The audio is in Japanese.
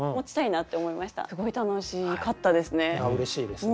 すごい楽しかったですね。